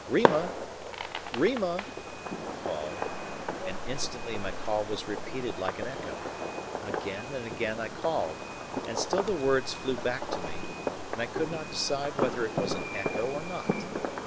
"Rima! Rima!" I called, and instantly my call was repeated like an echo. Again and again I called, and still the words flew back to me, and I could not decide whether it was an echo or not.